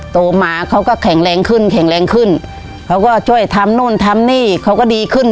โตมาเขาก็แข็งแรงขึ้นแข็งแรงขึ้นเขาก็ช่วยทำนู่นทำนี่เขาก็ดีขึ้น